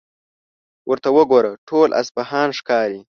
ورته وګوره، ټول اصفهان ښکاري.